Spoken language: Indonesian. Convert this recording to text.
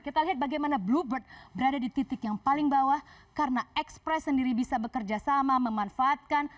kita lihat bagaimana bluebird berada di titik yang paling bawah karena express sendiri bisa bekerja sama memanfaatkan